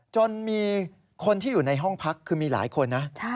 จนมีคนที่อยู่ในห้องพักคือมีหลายคนนะ